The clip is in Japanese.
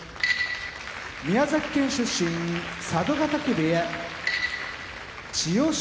宮崎県出身佐渡ヶ嶽部屋千代翔